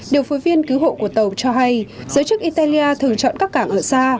điều phối viên cứu hộ của tàu cho hay giới chức italia thường chọn các cảng ở xa